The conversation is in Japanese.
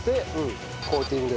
コーティング。